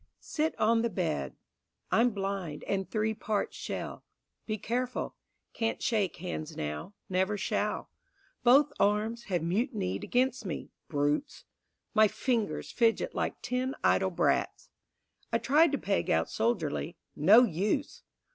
Sit on the bed; I'm blind, and three parts shell, Be careful; can't shake hands now; never shall. Both arms have mutinied against me brutes. My fingers fidget like ten idle brats. I tried to peg out soldierly no use!